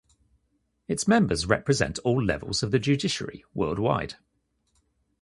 Its members represent all levels of the judiciary worldwide.